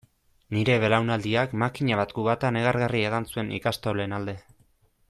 Nire belaunaldiak makina bat kubata negargarri edan zuen ikastolen alde.